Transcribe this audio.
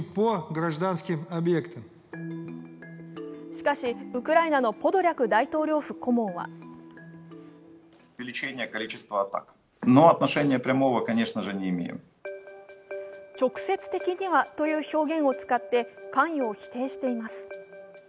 しかし、ウクライナのポドリャク大統領府顧問は直接的にはという表現を使って関与を否定しています。